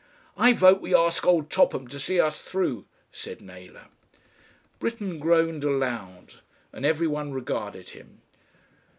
"I vote we ask old Topham to see us through," said Naylor. Britten groaned aloud and every one regarded him.